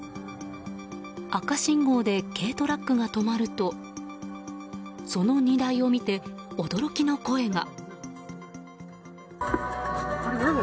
赤信号で軽トラックが止まるとその荷台を見て驚きの声が。